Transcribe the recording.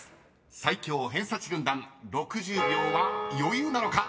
最強偏差値軍団６０秒は余裕なのか？］